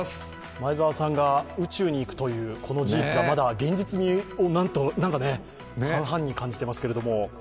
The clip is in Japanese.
前澤さんが宇宙に行くというこの事実が現実か半々に感じていますけれども。